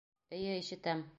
Эйе, ишетәм.